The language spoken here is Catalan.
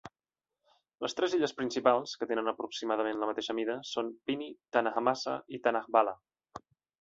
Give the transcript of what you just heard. Les tres illes principals, que tenen aproximadament la mateixa mida, són Pini, Tanahmasa i Tanahbala.